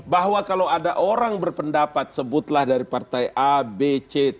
bahwa kalau ada orang berpendapat sebutlah dari partai a b c